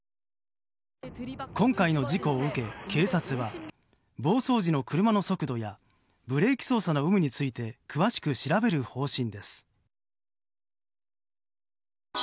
今回の事故を受け警察は暴走時の車の速度やブレーキ操作の有無について詳しく調べる方針です。